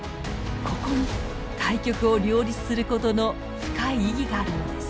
ここに対極を両立することの深い意義があるのです。